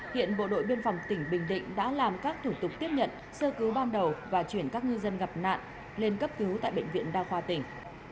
hiện bộ đội biên phòng tỉnh bình định đã làm các thủ tục tiếp nhận sơ cứu ban đầu và chuyển các ngư dân gặp nạn lên cấp cứu tại bệnh viện đa khoa tỉnh